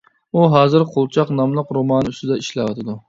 ئۇ ھازىر «قۇلچاق» ناملىق رومانى ئۈستىدە ئىشلەۋاتىدۇ.